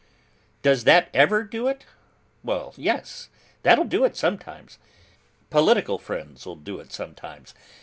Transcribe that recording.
'Does that ever do it?' 'Why yes, that'll do it sometimes. Political friends'll do it sometimes.